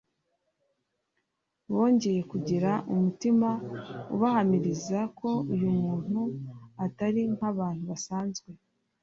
bongeye kugira umutima ubahamiriza ko uyu muntu atari nk’abantu basanzwe